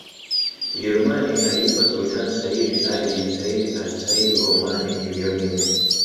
Ujerumani alimlipa Sultan Sayyid Ali bin Said al Said wa Oman milioni nne